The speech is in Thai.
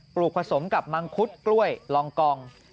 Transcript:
ลูกผสมกับมังคุดกล้วยลองกอง